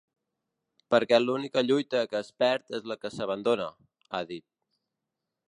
Perquè l’única lluita que es perd és la que s’abandona, ha dit.